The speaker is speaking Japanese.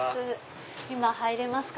今入れますか？